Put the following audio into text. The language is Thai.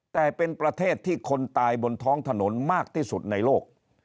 แต่เป็นประเทศที่คนตายบนท้องถนนมากที่สุดในโลก